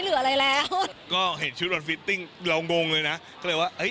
เหลืออะไรแล้วก็เห็นชุดมันฟิตติ้งเรางงเลยนะก็เลยว่าเอ้ย